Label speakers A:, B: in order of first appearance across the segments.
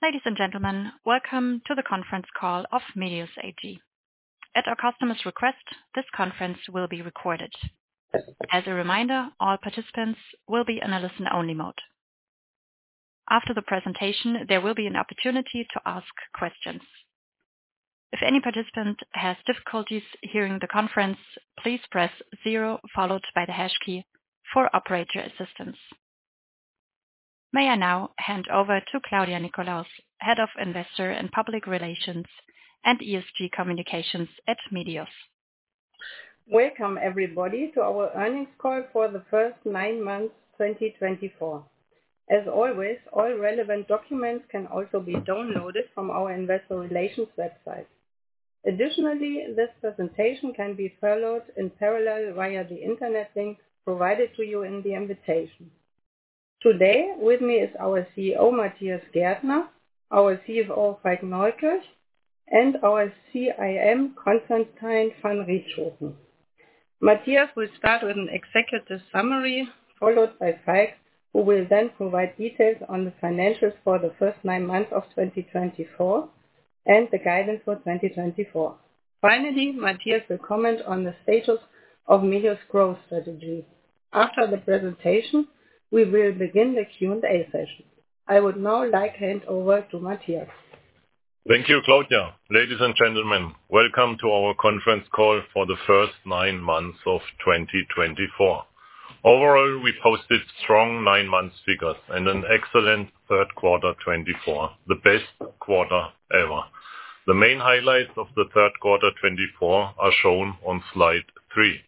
A: Ladies and gentlemen, welcome to the conference call of Medios AG. At our customer's request, this conference will be recorded. As a reminder, all participants will be in a listen-only mode. After the presentation, there will be an opportunity to ask questions. If any participant has difficulties hearing the conference, please press zero, followed by the hash key, for operator assistance. May I now hand over to Claudia Nickolaus, Head of Investor and Public Relations and ESG Communications at Medios?
B: Welcome, everybody, to our earnings call for the first nine months of 2024. As always, all relevant documents can also be downloaded from our Investor Relations website. Additionally, this presentation can be followed in parallel via the internet link provided to you in the invitation. Today, with me is our CEO, Matthias Gärtner, our CFO, Falk Neukirch, and our CIM, Constantijn van Rietschoten. Matthias will start with an executive summary, followed by Falk, who will then provide details on the financials for the first nine months of 2024 and the guidance for 2024. Finally, Matthias will comment on the status of Medios' growth strategy. After the presentation, we will begin the Q&A session. I would now like to hand over to Matthias.
C: Thank you, Claudia. Ladies and gentlemen, welcome to our conference call for the first nine months of 2024. Overall, we posted strong nine-month figures and an excellent third quarter 2024, the best quarter ever. The main highlights of the third quarter 2024 are shown on slide three.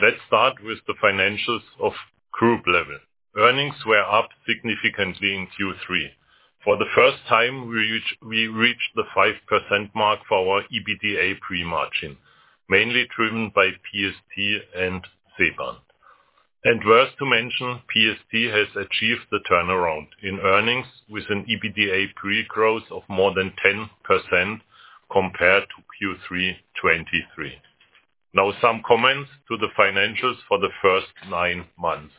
C: Let's start with the financials of group level. Earnings were up significantly in Q3. For the first time, we reached the 5% mark for our EBITDA pre-margin, mainly driven by PST and Ceban. And worth to mention, PST has achieved the turnaround in earnings with an EBITDA pre-growth of more than 10% compared to Q3 2023. Now, some comments to the financials for the first nine months.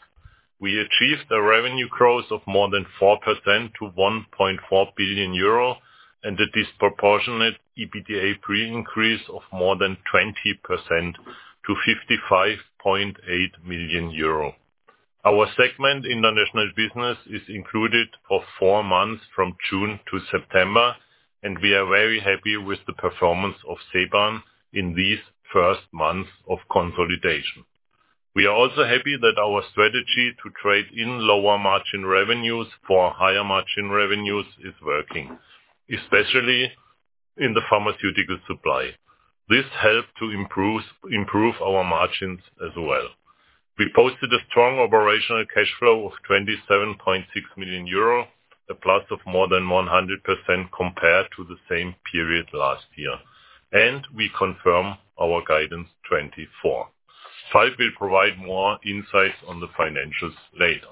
C: We achieved a revenue growth of more than 4% to 1.4 billion euro and a disproportionate EBITDA pre-increase of more than 20% to 55.8 million euro. Our segment, International Business, is included for four months from June to September, and we are very happy with the performance of Ceban in these first months of consolidation. We are also happy that our strategy to trade in lower margin revenues for higher margin revenues is working, especially in the Pharmaceutical Supply. This helped to improve our margins as well. We posted a strong operational cash flow of 27.6 million euro, a plus of more than 100% compared to the same period last year, and we confirm our guidance 2024. Falk will provide more insights on the financials later.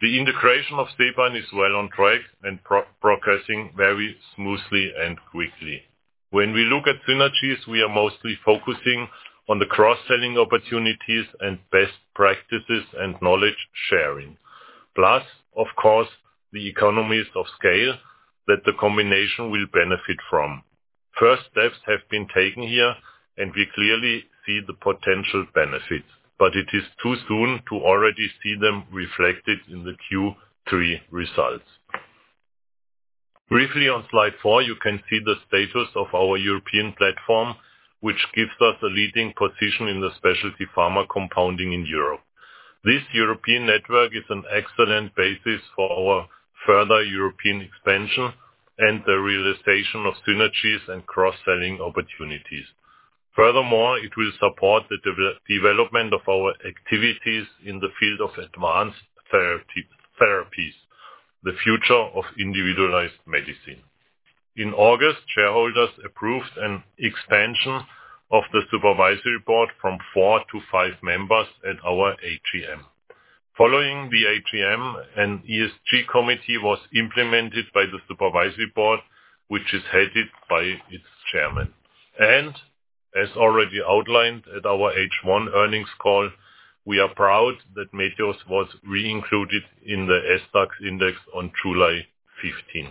C: The integration of Ceban is well on track and progressing very smoothly and quickly. When we look at synergies, we are mostly focusing on the cross-selling opportunities and best practices and knowledge sharing. Plus, of course, the economies of scale that the combination will benefit from. First steps have been taken here, and we clearly see the potential benefits, but it is too soon to already see them reflected in the Q3 results. Briefly, on slide four, you can see the status of our European platform, which gives us a leading position in the specialty pharma compounding in Europe. This European network is an excellent basis for our further European expansion and the realization of synergies and cross-selling opportunities. Furthermore, it will support the development of our activities in the field of advanced therapies, the future of individualized medicine. In August, shareholders approved an expansion of the supervisory board from four to five members at our AGM. Following the AGM, an ESG committee was implemented by the supervisory board, which is headed by its chairman. As already outlined at our H1 earnings call, we are proud that Medios was re-included in the SDAX index on July 15.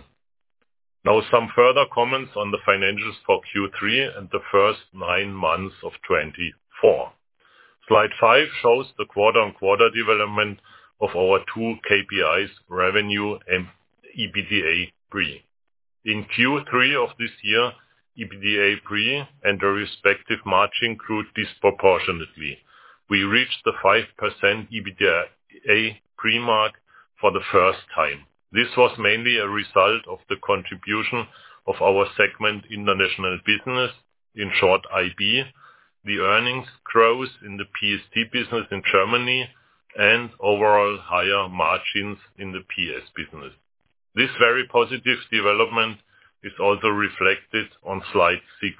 C: Now, some further comments on the financials for Q3 and the first nine months of 2024. Slide five shows the quarter-on-quarter development of our two KPIs, revenue and EBITDA pre. In Q3 of this year, EBITDA pre and the respective margin grew disproportionately. We reached the 5% EBITDA pre-margin for the first time. This was mainly a result of the contribution of our segment, International Business, in short IB, the earnings growth in the PST business in Germany, and overall higher margins in the PS business. This very positive development is also reflected on slide six,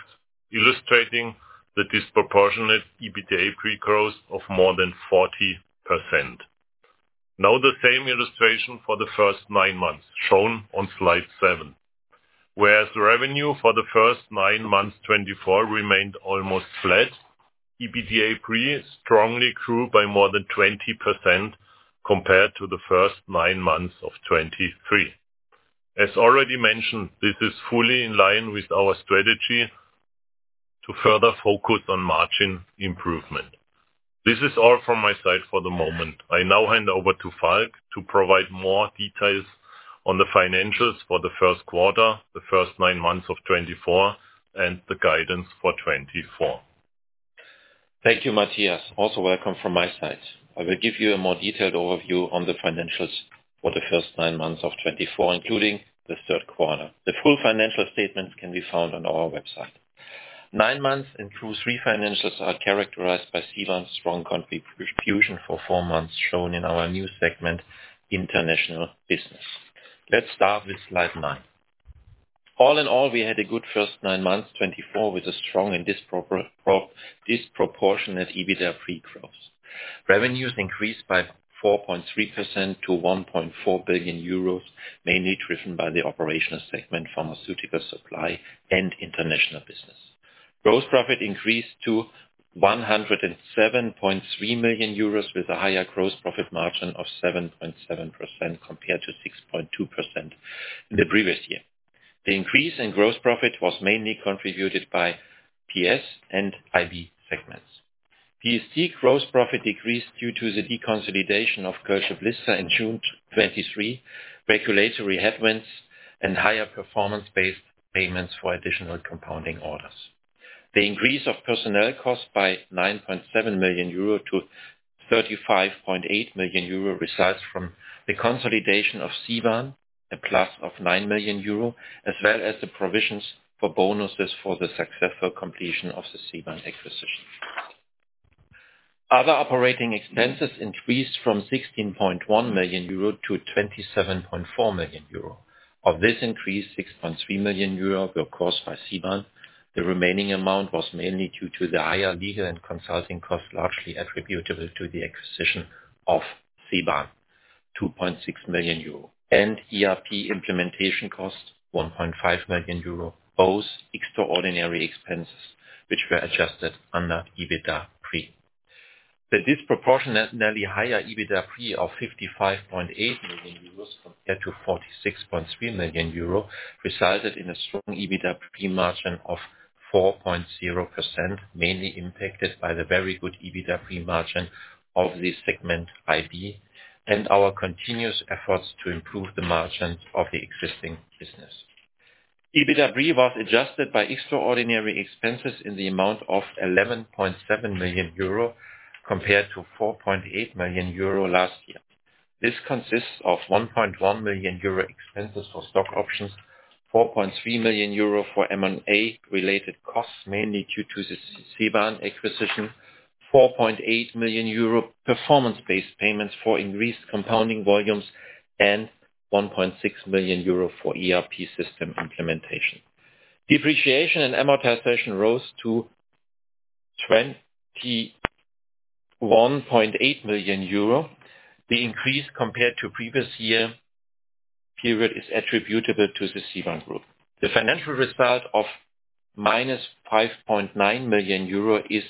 C: illustrating the disproportionate EBITDA pre growth of more than 40%. Now, the same illustration for the first nine months shown on slide seven. Whereas revenue for the first nine months of 2024 remained almost flat, EBITDA pre strongly grew by more than 20% compared to the first nine months of 2023. As already mentioned, this is fully in line with our strategy to further focus on margin improvement. This is all from my side for the moment. I now hand over to Falk to provide more details on the financials for the first quarter, the first nine months of 2024, and the guidance for 2024.
D: Thank you, Matthias. Also welcome from my side. I will give you a more detailed overview on the financials for the first nine months of 2024, including the third quarter. The full financial statements can be found on our website. Nine months in Q3 financials are characterized by Ceban's strong contribution for four months shown in our new segment, International Business. Let's start with slide nine. All in all, we had a good first nine months 2024 with a strong and disproportionate EBITDA pre growth. Revenues increased by 4.3% to 1.4 billion euros, mainly driven by the operational segment, Pharmaceutical Supply, and International Business. Gross profit increased to 107.3 million euros with a higher gross profit margin of 7.7% compared to 6.2% in the previous year. The increase in gross profit was mainly contributed by PS and IB segments. PST gross profit decreased due to the deconsolidation of Kölsche Blister in June 2023, regulatory headwinds, and higher performance-based payments for additional compounding orders. The increase of personnel cost by 9.7 million euro to 35.8 million euro results from the consolidation of Ceban, a plus of 9 million euro, as well as the provisions for bonuses for the successful completion of the Ceban acquisition. Other operating expenses increased from 16.1 million euro to 27.4 million euro. Of this increase, 6.3 million euro were caused by Ceban. The remaining amount was mainly due to the higher legal and consulting costs largely attributable to the acquisition of Ceban, 2.6 million euro, and ERP implementation cost, 1.5 million euro, both extraordinary expenses which were adjusted under EBITDA pre. The disproportionately higher EBITDA pre of 55.8 million euros compared to 46.3 million euro resulted in a strong EBITDA pre-margin of 4.0%, mainly impacted by the very good EBITDA pre-margin of the segment IB and our continuous efforts to improve the margins of the existing business. EBITDA pre was adjusted by extraordinary expenses in the amount of 11.7 million euro compared to 4.8 million euro last year. This consists of 1.1 million euro expenses for stock options, 4.3 million euro for M&A-related costs, mainly due to the Ceban acquisition, 4.8 million euro performance-based payments for increased compounding volumes, and 1.6 million euro for ERP system implementation. Depreciation and amortization rose to 21.8 million euro. The increase compared to the previous year period is attributable to the Ceban Group. The financial result of -5.9 million euro is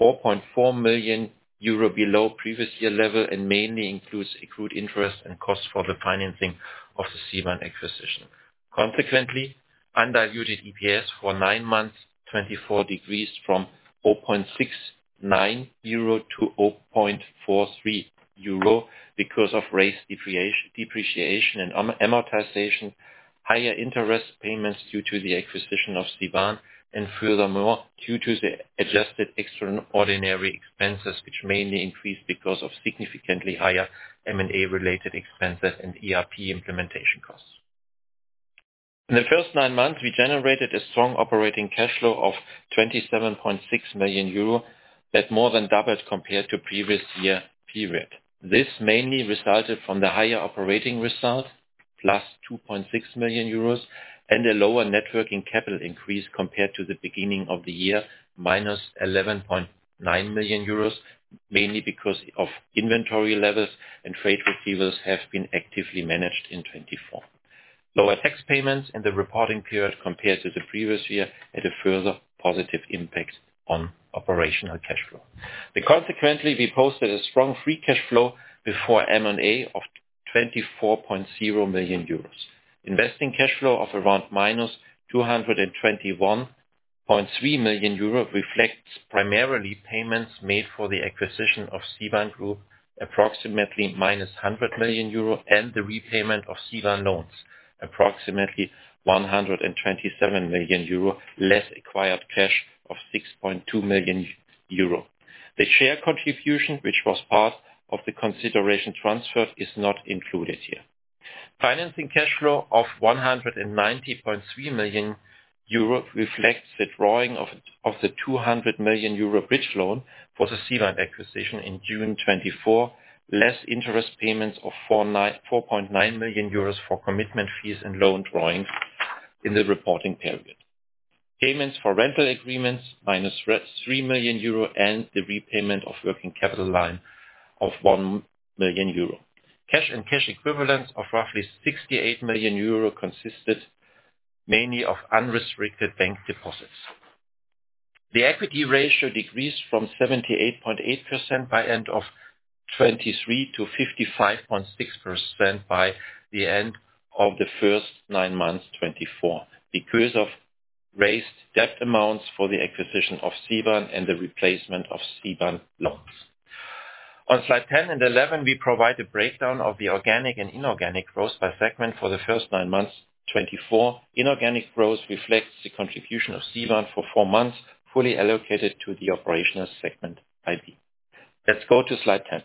D: 4.4 million euro below previous year level and mainly includes accrued interest and costs for the financing of the Ceban acquisition. Consequently, undiluted EPS for nine months 2024 decreased from 0.69 euro to 0.43 euro because of raised depreciation and amortization, higher interest payments due to the acquisition of Ceban, and furthermore, due to the adjusted extraordinary expenses, which mainly increased because of significantly higher M&A-related expenses and ERP implementation costs. In the first nine months, we generated a strong operating cash flow of 27.6 million euro that more than doubled compared to the previous year period. This mainly resulted from the higher operating result, plus 2.6 million euros, and a lower net working capital increase compared to the beginning of the year, minus 11.9 million euros, mainly because of inventory levels and trade receivables have been actively managed in 2024. Lower tax payments in the reporting period compared to the previous year had a further positive impact on operational cash flow. Consequently, we posted a strong free cash flow before M&A of 24.0 million euros. Investing cash flow of around minus 221.3 million euros reflects primarily payments made for the acquisition of Ceban Group, approximately minus 100 million euro, and the repayment of Ceban loans, approximately 127 million euro, less acquired cash of 6.2 million euro. The share contribution, which was part of the consideration transferred, is not included here. Financing cash flow of 190.3 million euro reflects the drawing of the 200 million euro bridge loan for the Ceban acquisition in June 2024, less interest payments of 4.9 million euros for commitment fees and loan drawings in the reporting period. Payments for rental agreements, minus 3 million euro, and the repayment of working capital line of 1 million euro. Cash and cash equivalents of roughly 68 million euro consisted mainly of unrestricted bank deposits. The equity ratio decreased from 78.8% by end of 2023 to 55.6% by the end of the first nine months 2024 because of raised debt amounts for the acquisition of Ceban and the replacement of Ceban loans. On slides 10 and 11, we provide a breakdown of the organic and inorganic growth by segment for the first nine months 2024. Inorganic growth reflects the contribution of Ceban for four months fully allocated to the operational segment IB. Let's go to slide 10.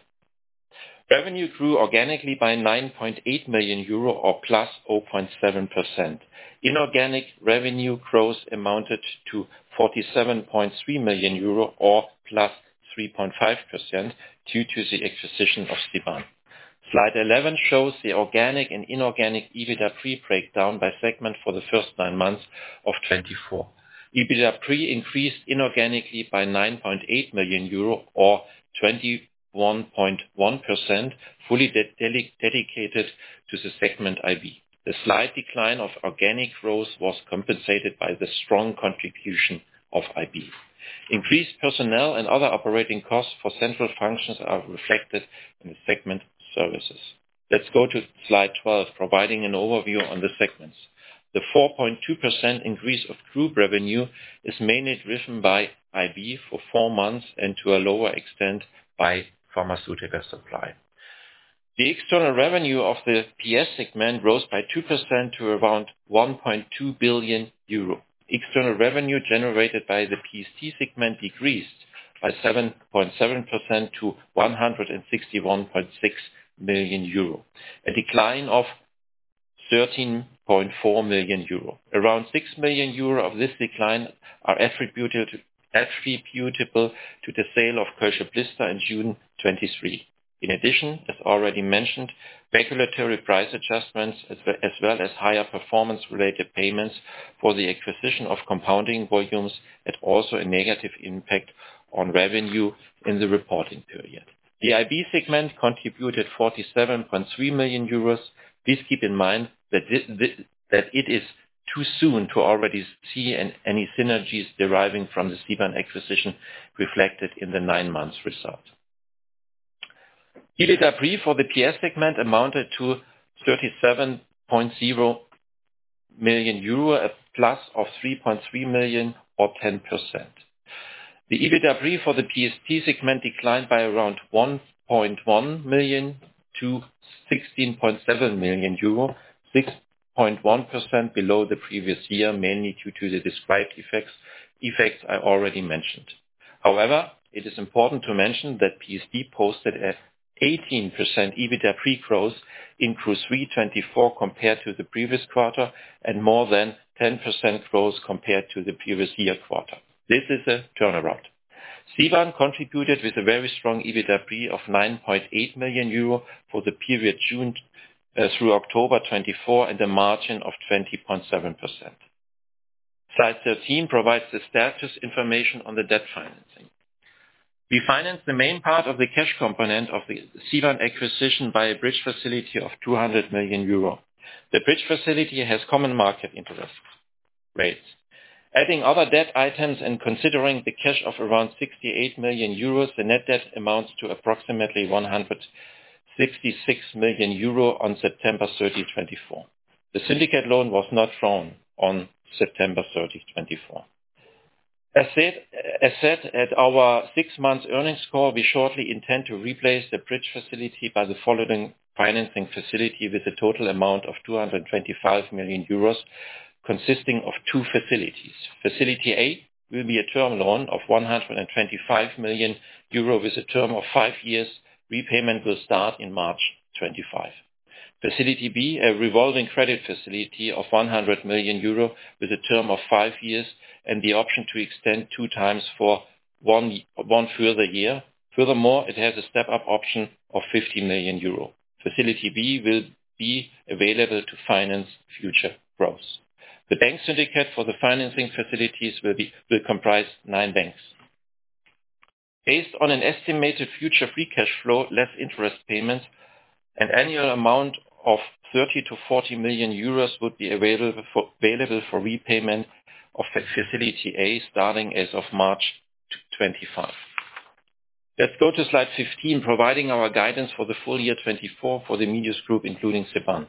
D: Revenue grew organically by 9.8 million euro or plus 0.7%. Inorganic revenue growth amounted to 47.3 million euro or plus 3.5% due to the acquisition of Ceban. Slide 11 shows the organic and inorganic EBITDA pre breakdown by segment for the first nine months of 2024. EBITDA pre increased inorganically by 9.8 million euro or 21.1%, fully dedicated to the segment IB. The slight decline of organic growth was compensated by the strong contribution of IB. Increased personnel and other operating costs for central functions are reflected in the Segment Services. Let's go to slide 12, providing an overview on the segments. The 4.2% increase of group revenue is mainly driven by IB for four months and to a lower extent by Pharmaceutical Supply. The external revenue of the PS segment rose by 2% to around 1.2 billion euro. External revenue generated by the PST segment decreased by 7.7% to 161.6 million euro, a decline of 13.4 million euro. Around 6 million euro of this decline are attributable to the sale of Kölsche Blister in June 2023. In addition, as already mentioned, regulatory price adjustments as well as higher performance-related payments for the acquisition of compounding volumes had also a negative impact on revenue in the reporting period. The IB segment contributed 47.3 million euros. Please keep in mind that it is too soon to already see any synergies deriving from the Ceban acquisition reflected in the nine months' result. EBITDA pre for the PS segment amounted to 37.0 million euro, a plus of 3.3 million or 10%. The EBITDA pre for the PST segment declined by around 1.1 million to 16.7 million euro, 6.1% below the previous year, mainly due to the described effects I already mentioned. However, it is important to mention that PST posted an 18% EBITDA pre growth in Q3 2024 compared to the previous quarter and more than 10% growth compared to the previous year quarter. This is a turnaround. Ceban contributed with a very strong EBITDA pre of 9.8 million euro for the period June through October 2024 and a margin of 20.7%. Slide 13 provides the status information on the debt financing. We financed the main part of the cash component of the Ceban acquisition via bridge facility of 200 million euro. The bridge facility has common market interest rates. Adding other debt items and considering the cash of around 68 million euros, the net debt amounts to approximately 166 million euro on September 30, 2024. The syndicated loan was not drawn on September 30, 2024. As said at our six-month earnings call, we shortly intend to replace the bridge facility by the following financing facility with a total amount of 225 million euros consisting of two facilities. Facility A will be a term loan of 125 million euro with a term of five years. Repayment will start in March 2025. Facility B, a revolving credit facility of 100 million euro with a term of five years and the option to extend two times for one further year. Furthermore, it has a step-up option of 50 million euro. Facility B will be available to finance future growth. The bank syndicate for the financing facilities will comprise nine banks. Based on an estimated future free cash flow, less interest payments, an annual amount of 30 million-40 million euros would be available for repayment of Facility A starting as of March 2025. Let's go to slide 15, providing our guidance for the full year 2024 for the Medios group, including Ceban.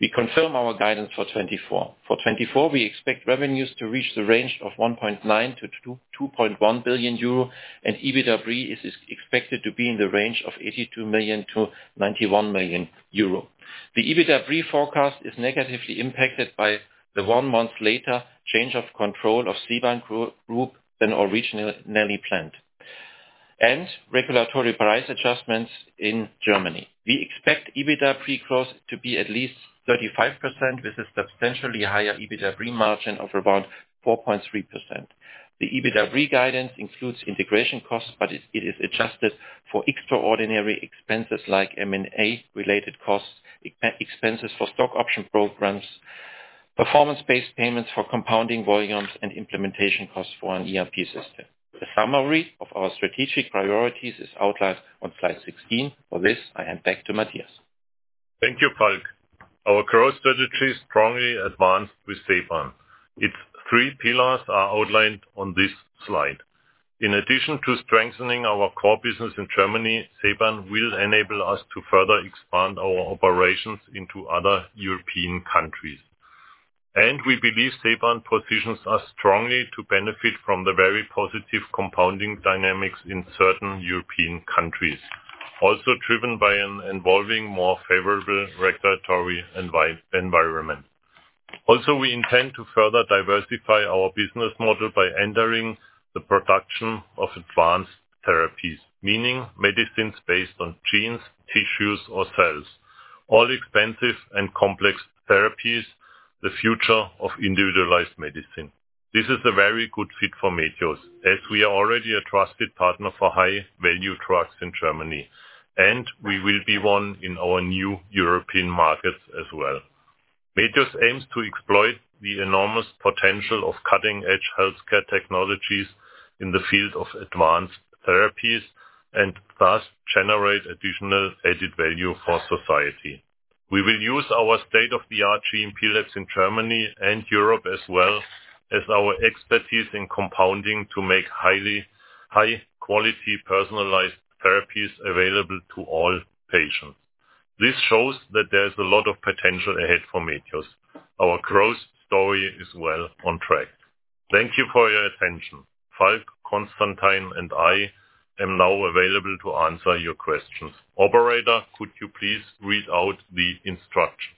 D: We confirm our guidance for 2024. For 2024, we expect revenues to reach the range of 1.9-2.1 billion euro, and EBITDA pre is expected to be in the range of 82-91 million euro. The EBITDA pre forecast is negatively impacted by the one-month later change of control of Ceban Group than originally planned and regulatory price adjustments in Germany. We expect EBITDA pre growth to be at least 35% with a substantially higher EBITDA pre margin of around 4.3%. The EBITDA pre guidance includes integration costs, but it is adjusted for extraordinary expenses like M&A-related costs, expenses for stock option programs, performance-based payments for compounding volumes, and implementation costs for an ERP system. The summary of our strategic priorities is outlined on slide 16. For this, I hand back to Matthias.
C: Thank you, Falk. Our growth strategy strongly advanced with Ceban. Its three pillars are outlined on this slide. In addition to strengthening our core business in Germany, Ceban will enable us to further expand our operations into other European countries. And we believe Ceban positions us strongly to benefit from the very positive compounding dynamics in certain European countries, also driven by an evolving more favorable regulatory environment. Also, we intend to further diversify our business model by entering the production of advanced therapies, meaning medicines based on genes, tissues, or cells, all expensive and complex therapies, the future of individualized medicine. This is a very good fit for Medios, as we are already a trusted partner for high-value drugs in Germany, and we will be one in our new European markets as well. Medios aims to exploit the enormous potential of cutting-edge healthcare technologies in the field of advanced therapies and thus generate additional added value for society. We will use our state-of-the-art GMP laboratories in Germany and Europe as well as our expertise in compounding to make high-quality personalized therapies available to all patients. This shows that there is a lot of potential ahead for Medios. Our growth story is well on track. Thank you for your attention. Falk, Constantijn, and I am now available to answer your questions. Operator, could you please read out the instructions?